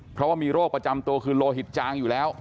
เพราะว่ามีโรคประจำตัวคือโลหิตจางอยู่แล้ว